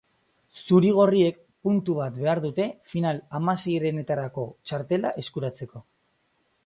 Zuri-gorriek puntu bat behar dute final-hamaseirenetarako txartela eskuratzeko.